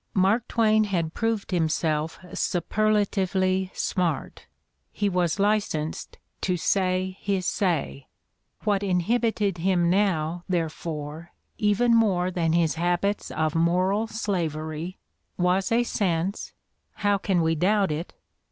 Mark Twain had proved himself superlatively "smart"; he was licensed to say his say: what inhibited him now, therefore, even more than his habits of moral slavery, was a sense — how can we doubt it?